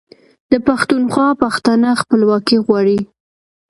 د پښتونخوا پښتانه خپلواکي غواړي.